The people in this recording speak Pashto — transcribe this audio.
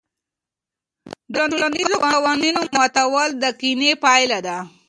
د ټولنیزو قوانینو ماتول د کینې پایله ده.